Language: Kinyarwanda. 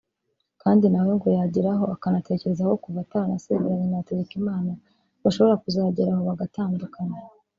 Kandi na we ngo yageragaho akanatekereza ko kuva atarasezeranye na Hategekimana bashobora kuzagera aho bagatandukana